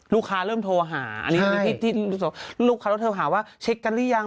ลูกค้าเริ่มโทรหาลูกค้าแล้วเธออาจหาว่าเช็คกันหรือยัง